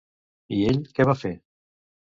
I ell, què va fer?